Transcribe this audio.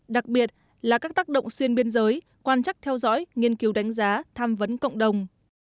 đặc biệt là các tác động xuyên biên giới quan chắc theo dõi nghiên cứu đánh giá tham vấn cộng đồng